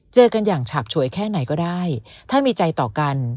เจอกันอย่างฉาบฉวยแค่ไหนก็ได้ถ้ามีใจต่อกัน